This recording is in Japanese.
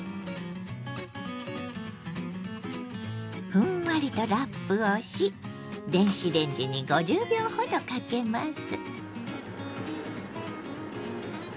ふんわりとラップをし電子レンジに５０秒ほどかけます。